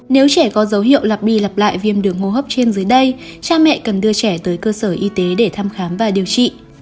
nếu trẻ có dấu hiệu lặp bì lặp lại viêm đường hô hấp trên dưới đây cha mẹ cần đưa trẻ tới cơ sở y tế để thăm khám và điều trị